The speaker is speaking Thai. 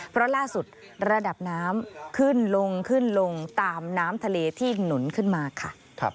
เพราะล่าสุดระดับน้ำขึ้นลงขึ้นลงตามน้ำทะเลที่หนุนขึ้นมาค่ะ